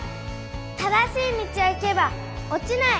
正しい道を行けばおちない。